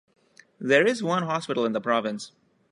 There is one hospital in the province.